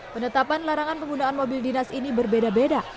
penetapan larangan penggunaan mobil dinas ini berbeda beda